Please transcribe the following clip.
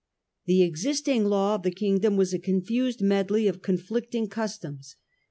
The existing law of the Kingdom was a confused medley of conflicting customs.